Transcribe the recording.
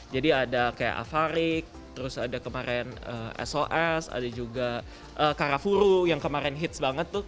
jadi ada kayak avaric terus ada kemarin sos ada juga karafuru yang kemarin hits banget tuh